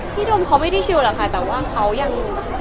โดมเขาไม่ได้ชิวหรอกค่ะแต่ว่าเขายัง